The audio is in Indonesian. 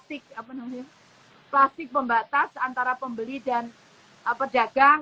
plastik pembatas antara pembeli dan pedagang